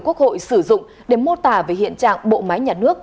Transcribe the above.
quốc hội sử dụng để mô tả về hiện trạng bộ máy nhà nước